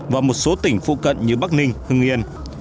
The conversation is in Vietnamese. và một số tỉnh phụ cận như bắc ninh hưng yên